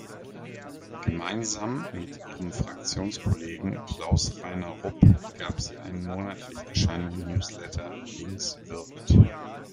Gemeinsam mit ihrem Fraktionskollegen Klaus-Rainer Rupp gab sie einen monatlich erscheinenden Newsletter "Links wirkt!